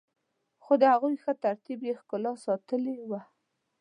خو د هغوی ښه ترتیب يې ښکلا ساتلي وه.